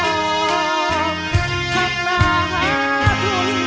ขอขับมาหาทุน